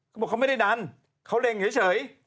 เขาบอกเขาไม่ได้ดันเขาเล็งเฉย